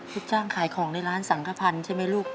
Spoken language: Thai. จ้างขายของในร้านสังขพันธ์ใช่ไหมลูก